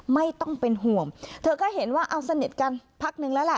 ไม่ต้องเป็นห่วงเธอก็เห็นว่าเอาสนิทกันพักนึงแล้วล่ะ